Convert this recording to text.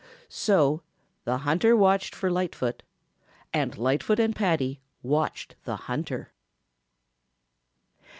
So the hunter watched for Lightfoot, and Lightfoot and Paddy watched the hunter.